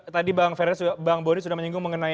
tadi bang ferry dan bang bonin sudah menyinggung mengenai